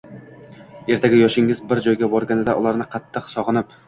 Ertaga yoshingiz bir joyga borganida ularni qattiq sog‘inib